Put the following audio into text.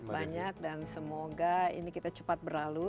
banyak dan semoga ini kita cepat berlalu